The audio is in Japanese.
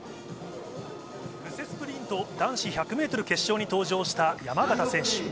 布施スプリント男子１００メートルに登場した山縣選手。